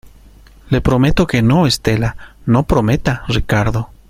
le prometo que no, Estela. no prometa , Ricardo .